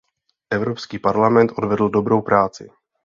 Evropský parlament odvedl dobrou práci.